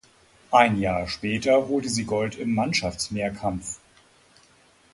Ein Jahr später holte sie Gold im Mannschaftsmehrkampf.